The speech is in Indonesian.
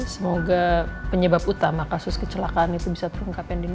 semoga penyebab utama kasus kecelakaan itu bisa terungkapi andina